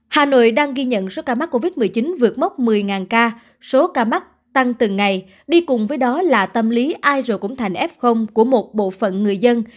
hà nội đang ghi nhận số ca mắc covid một mươi chín vượt mốc một mươi ca số ca mắc tăng từng ngày đi cùng với đó là tâm lý ire cũng thành f của một bộ phận người dân